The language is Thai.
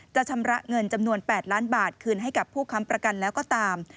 ชำระเงินจำนวน๘ล้านบาทคืนให้กับผู้ค้ำประกันแล้วก็ตาม